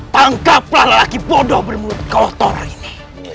tangkaplah lelaki bodoh bermun kotor ini